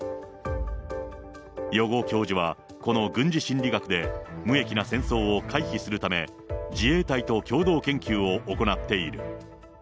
余語教授は、この軍事心理学で無益な戦争を回避するため、自衛隊と共同研究を行っている。